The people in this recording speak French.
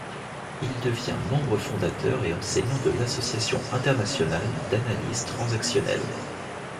Il devient membre fondateur et enseignant de l’Association Internationale d’Analyse Transactionnelle.